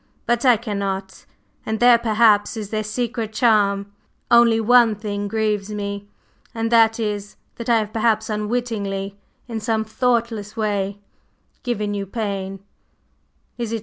But I cannot, and there, perhaps, is their secret charm. Only one thing grieves me, and that is, that I have, perhaps, unwittingly, in some thoughtless way, given you pain; is it so, Helen?"